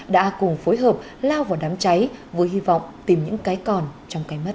đã cùng phối hợp lao vào đám cháy với hy vọng tìm những cái còn trong cái mất